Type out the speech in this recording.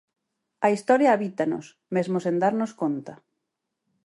A historia habítanos, mesmo sen darnos conta.